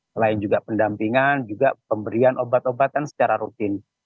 selain juga pendampingan juga pemberian obat obatan secara rutin